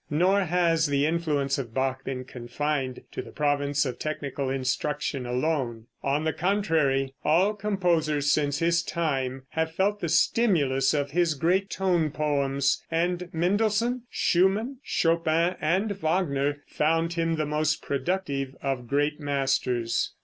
Nor has the influence of Bach been confined to the province of technical instruction alone. On the contrary, all composers since his time have felt the stimulus of his great tone poems, and Mendelssohn, Schumann, Chopin and Wagner found him the most productive of great masters.